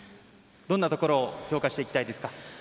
どんなところを強化していきたいですか？